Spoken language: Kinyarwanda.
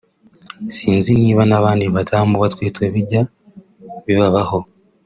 “Sinzi niba n’abandi badamu batwite bijya bibabaho